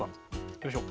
よいしょ。